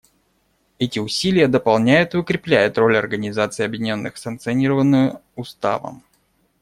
Эти усилия дополняют и укрепляют роль Организации Объединенных, санкционированную Уставом.